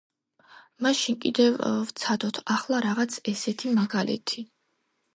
მაშინ კიდევ ვცადოთ ახლა რაღაც ესეთი მაგალითი.